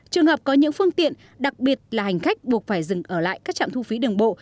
trường hợp có những phương tiện đặc biệt là hành khách buộc phải dừng ở lại các trạm thu phí đường bộ